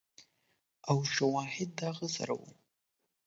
او شواهد د هغه سره ؤ